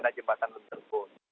karena jembatan lebih terukur